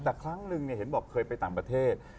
แต่ครั้งนึงเนี่ยเห็นบอกเคยไปต่างประเทศ